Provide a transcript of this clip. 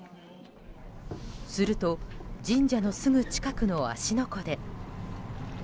すると、神社のすぐ近くの芦ノ湖で。